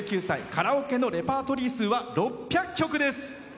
カラオケのレパートリー数は６００曲です。